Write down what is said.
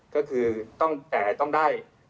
ก็คือต้องแต่ต้องได้